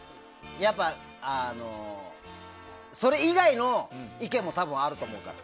やっぱり、それ以外の意見もあると思うから。